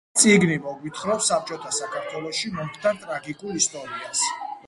წიგნი მოგვითხრობს საბჭოთა საქართველოში მომხდარ ტრაგიკულ ისტორიას